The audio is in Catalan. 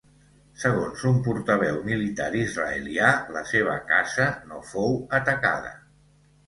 Segons un portaveu militar israelià, la seva casa no fou atacada.